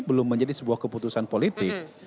belum menjadi sebuah keputusan politik